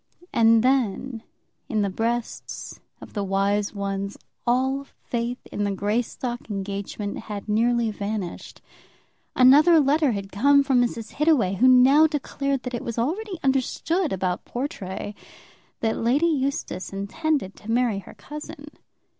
And then, in the breasts of the wise ones, all faith in the Greystock engagement had nearly vanished. Another letter had come from Mrs. Hittaway, who now declared that it was already understood about Portray that Lady Eustace intended to marry her cousin.